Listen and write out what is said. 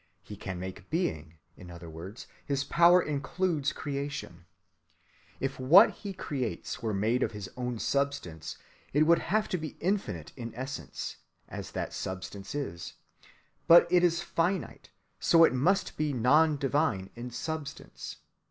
He can make being—in other words his power includes creation. If what He creates were made of his own substance, it would have to be infinite in essence, as that substance is; but it is finite; so it must be non‐divine in substance.